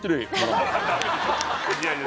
いやいや